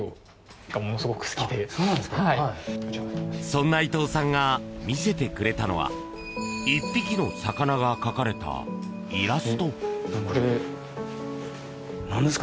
そんな伊藤さんが見せてくれたのは１匹の魚が描かれたイラスト。